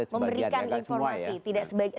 memberikan informasi ada sebagian ya tidak semua ya